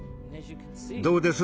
どうです？